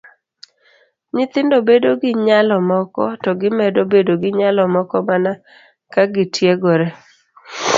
Nyithindo bedo gi nyalo moko, to gimedo bedo gi nyalo moko mana ka gitiegore.